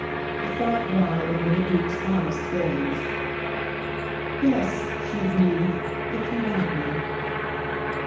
The thought died under the Duke's honest gaze. "Yes," she breathed, "if you want me."